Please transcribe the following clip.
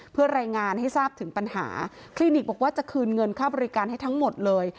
เพื่อรายงานให้ทราบถึงปัญหาคลินิกบอกว่าจะคืนเงินค่าบริการให้ทั้งหมดเลย